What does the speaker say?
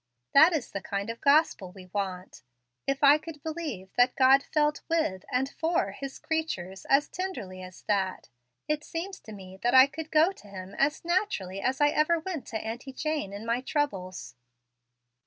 That is the kind of gospel we want. If I could believe that God felt with, and for, his creatures as tenderly as that, it seems to me that I could go to Him as naturally as I ever went to Auntie Jane in my troubles."